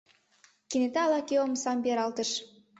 Кенета ала-кӧ омсам пералтыш.